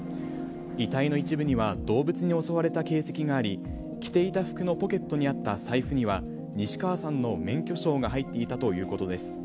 遺体の一部には動物に襲われた形跡があり、着ていた服のポケットにあった財布には、西川さんの免許証が入っていたということです。